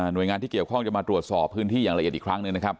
โดยงานที่เกี่ยวข้องจะมาตรวจสอบพื้นที่อย่างละเอียดอีกครั้งหนึ่งนะครับ